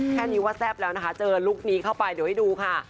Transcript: แค่นี้ว่าแซ่บแล้วนะคะเจอลุคนี้เข้าไปเดี๋ยวให้ดูค่ะ